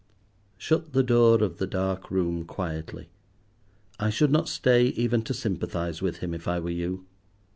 Shut the door of the dark room quietly. I should not stay even to sympathize with him if I were you.